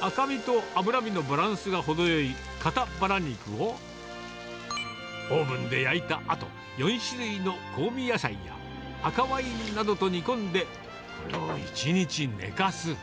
赤身と脂身のバランスが程よい肩バラ肉を、オーブンで焼いたあと、４種類の香味野菜や、赤ワインなどと煮込んで、これを１日寝かす。